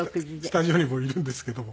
スタジオにもいるんですけども。